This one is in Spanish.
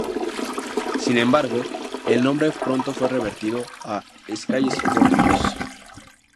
Sin embargo, el nombre pronto fue revertido a Sky Sports News.